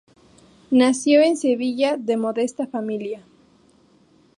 Nació en Sevilla de modesta familia.